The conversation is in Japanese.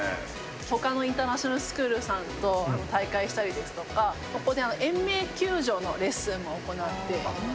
ほかのインターナショナルスクールさんと大会したりですとか、ここで延命救助のレッスンも行っております。